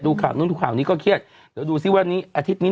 ข่าวนู้นดูข่าวนี้ก็เครียดเดี๋ยวดูซิวันนี้อาทิตย์นี้